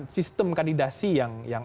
sistem kandidasi yang